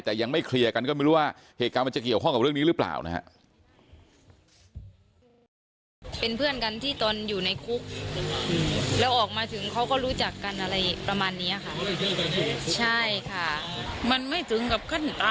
แต่ยังไม่เคลียร์กันก็ไม่รู้ว่าเหตุการณ์มันจะเกี่ยวข้องกับเรื่องนี้หรือเปล่านะฮะ